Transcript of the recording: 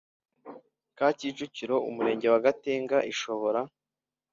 ka Kicukiro Umurenge wa Gatenga ishobora